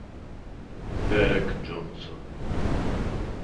Derek Johnson